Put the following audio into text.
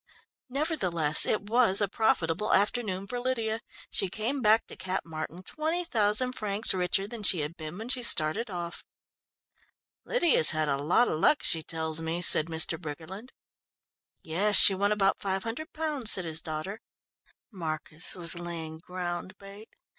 Nevertheless, it was a profitable afternoon for Lydia. She came back to Cap Martin twenty thousand francs richer than she had been when she started off. "Lydia's had a lot of luck she tells me," said Mr. Briggerland. "Yes. She won about five hundred pounds," said his daughter. "Marcus was laying ground bait.